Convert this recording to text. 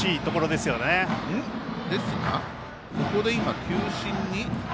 ですが、ここで今球審に。